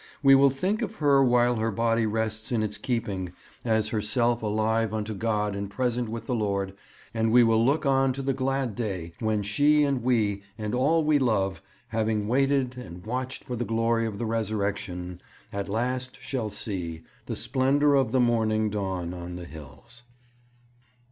We will think of her while her body rests in its keeping as herself alive unto God and present with the Lord, and we will look on to the glad day when she and we and all we love, having waited and watched for the glory of the Resurrection, at last shall see The splendour of the morning Dawn on the hills.'